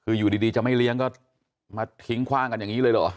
คืออยู่ดีจะไม่เลี้ยงก็มาทิ้งคว่างกันอย่างนี้เลยเหรอ